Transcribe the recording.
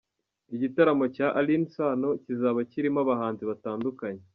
Igitaramo cya Alyn Sano kizaba kirimo abahanzi batandukanye.